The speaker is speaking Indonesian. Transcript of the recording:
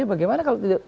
bagaimana kalau tidak